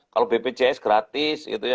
kalau bpjs gratis